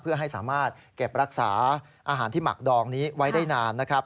เพื่อให้สามารถเก็บรักษาอาหารที่หมักดองนี้ไว้ได้นานนะครับ